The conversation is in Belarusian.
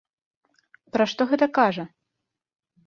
Пра што гэта кажа?